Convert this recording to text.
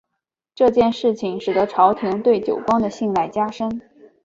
这件事情使得朝廷对久光的信赖加深。